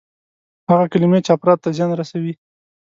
هغه کلمې چې افرادو ته زیان رسوي.